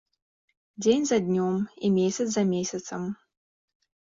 Дзень за днём і месяц за месяцам.